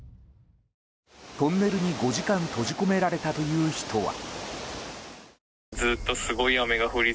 トンネルに５時間閉じ込められたという人は。